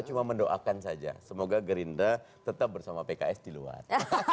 cuma mendoakan saja semoga gerindra tetap bersama pks di luar